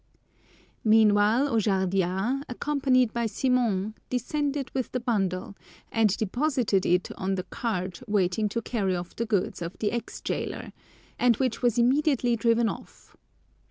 Meanwhile Ojardias, accompanied by Simon, descended with the bundle, and deposited it on the cart waiting to carry off the goods of the ex jailer, and which was immediately driven off.